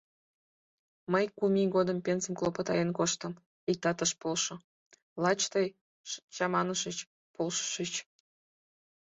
Мый кум ий годым пенсым клопотаен коштым, иктат ыш полшо, лач тый чаманышыч, полшышыч.